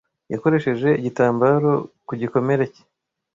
Yakoresheje igitambaro ku gikomere cye.